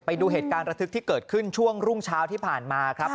ไปดูเหตุการณ์ระทึกที่เกิดขึ้นช่วงรุ่งเช้าที่ผ่านมาครับ